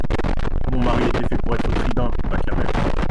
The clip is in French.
Mon mari était fait pour être tribun, Pacarel .